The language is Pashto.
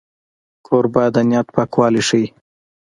کوربه د نیت پاکوالی ښيي.